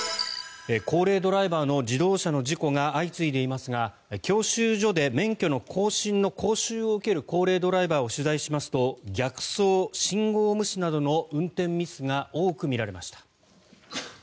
高齢ドライバーの自動車の事故が相次いでいますが教習所で免許の更新の講習を受ける高齢ドライバーを取材しますと逆走、信号無視などの運転ミスが多く見られました。